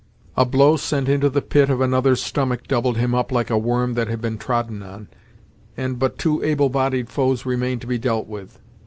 A blow sent into the pit of another's stomach doubled him up like a worm that had been trodden on, and but two able bodied foes remained to be dealt with.